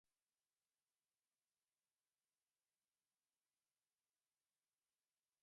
Minina amfora je namenjena otrokom.